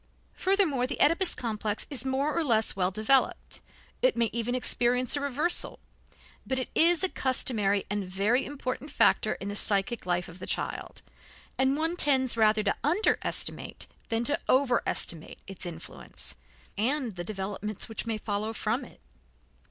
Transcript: Furthermore, the Oedipus complex is more or less well developed; it may even experience a reversal, but it is a customary and very important factor in the psychic life of the child; and one tends rather to underestimate than to overestimate its influence and the developments which may follow from it.